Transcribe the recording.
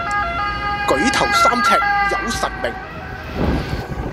舉頭三尺有神明